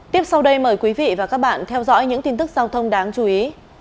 tiếp sau đây mời quý vị và các bạn theo dõi những tin tức giao thông đáng chú ý